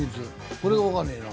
これがわかんねえな。